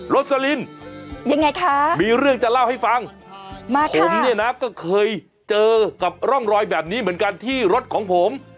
สลินยังไงคะมีเรื่องจะเล่าให้ฟังผมเนี่ยนะก็เคยเจอกับร่องรอยแบบนี้เหมือนกันที่รถของผม